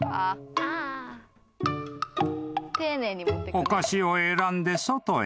［お菓子を選んで外へ］